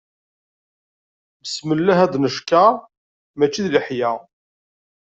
Besmellah ad ncekker, mačči d leḥya.